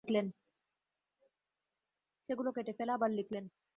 সেগুলো কেটে ফেলে আবার লিখলেন।